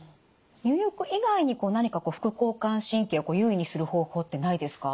入浴以外に何か副交感神経を優位にする方法ってないですか？